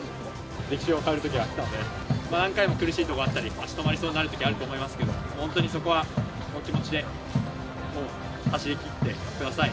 歴史を変える時が来たので、何回も苦しいときが来たり、足止まりそうなときもあると思うけど、本当にそこは気持ちで走りきってください。